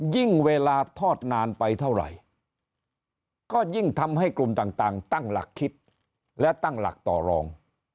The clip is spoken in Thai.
ยิ่งเวลาทอดนานไปเท่าไหร่ก็ยิ่งทำให้กลุ่มต่างตั้งหลักคิดและตั้งหลักต่อรอง